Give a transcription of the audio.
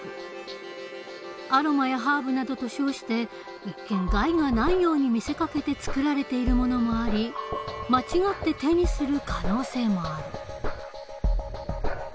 アロマやハーブなどと称して一見害がないように見せかけて作られているものもあり間違って手にする可能性もある。